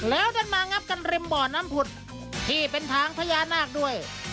แล้วดันมางับกันริมบ่อน้ำผุดที่เป็นทางพญานาคด้วย